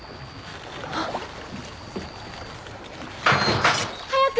あっ。早く！